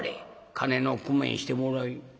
金の工面してもらい。